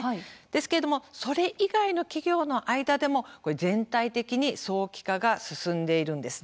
ですけれども、それ以外の企業の間でも全体的に早期化が進んでいるんです。